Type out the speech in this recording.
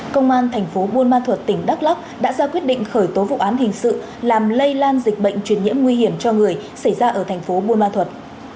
công an tp buôn ma thuật tỉnh đắk lắk đã ra quyết định khởi tố vụ án hình sự làm lây lan dịch bệnh truyền nhiễm nguy hiểm cho người xảy ra ở tp buôn ma thuật